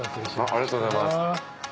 ありがとうございます。